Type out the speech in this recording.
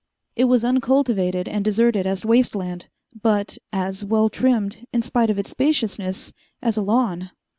It was uncultivated and deserted as waste land, but as well trimmed, in spite of its spaciousness, as a lawn.